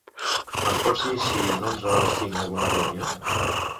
Em pots dir si en onze hores tinc alguna reunió?